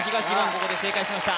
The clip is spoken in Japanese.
ここで正解しました